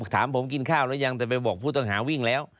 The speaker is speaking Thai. ถามผมกินข้าวหรือยังแต่ไปบอกผู้ต้องหาวิ่งแล้ว